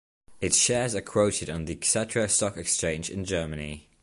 Its shares are quoted on the Xetra stock exchange in Germany.